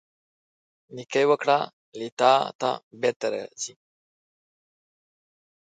نیکۍ وکړه، له تا ته بیرته راځي.